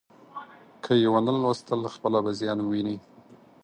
که یې ونه ولوستل، خپله به زیان وویني.